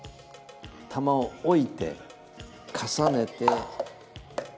玉を置いて重ねて。